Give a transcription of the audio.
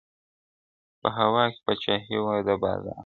• په هوا کي پاچهي وه د بازانو -